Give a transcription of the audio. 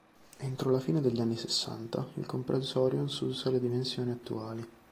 Entro la fine degli anni sessanta il comprensorio assunse le dimensioni attuali.